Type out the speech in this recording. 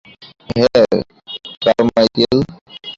হ্যাঁ, কারমাইকেল।